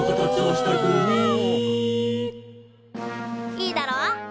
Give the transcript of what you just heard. いいだろ？